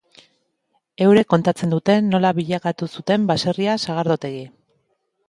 Eurek kontatzen dute nola bilakatu zuten baserria sagardotegi.